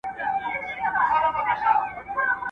دادا دي خداى نر کي ، چي ادې ووهي.